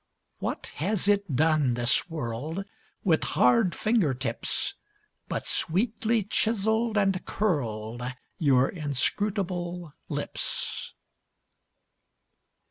What has it done, this world, With hard finger tips, But sweetly chiseled and curled Your inscrutable lips?